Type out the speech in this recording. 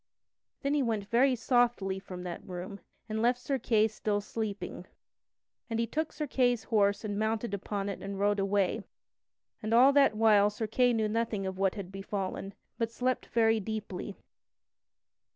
Then he went very softly from that room, and left Sir Kay still sleeping. And he took Sir Kay's horse and mounted upon it and rode away; and all that while Sir Kay knew not what had befallen, but slept very deeply.